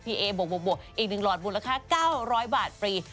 อีก๑หลอดบุญราคา๙๐๐บาทฟรี